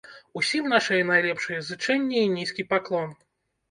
Усім нашы найлепшыя зычэнні і нізкі паклон.